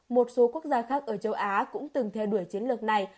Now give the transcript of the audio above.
một số quốc gia khác ở châu á cũng từng theo đuổi chiến lược này